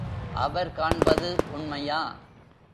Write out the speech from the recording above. அவர் காண்பது உண்மையா?